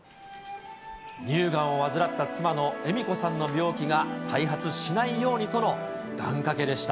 乳がんを患った妻の恵美子さんの病気が再発しないようにとの願掛けでした。